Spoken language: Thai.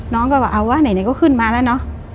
น้องก็บอกเอาวะไหนก็ขึ้นมาแล้วเนอะ